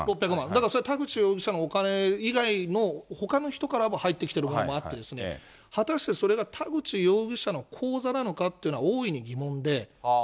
だから田口容疑者のお金以外も、ほかの人からも入ってきてるのもあって、果たしてそれが田口容疑者の口座なのかっていうのは大いに疑問で。